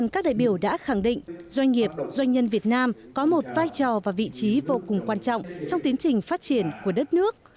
các đại biểu đã khẳng định doanh nghiệp doanh nhân việt nam có một vai trò và vị trí vô cùng quan trọng trong tiến trình phát triển của đất nước